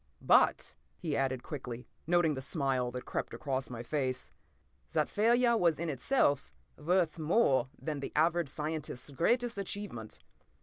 p> "But," he added quickly, noting the smile that crept across my face, "that failure was in itself worth more than the average scientist's greatest achievement!